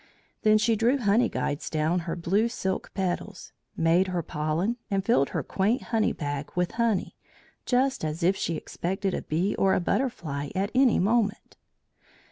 Then she drew honey guides down her blue silk petals, made her pollen, and filled her quaint honey bag with honey, just as if she expected a bee or a butterfly at any moment.